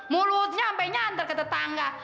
mulutnya sampai nyandar kata tangga